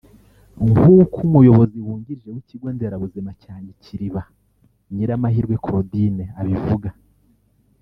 nk’uko Umuyobozi wungirije w’ikigo nderabuzima cya Nyakiriba Nyiramahirwe Claudine abivuga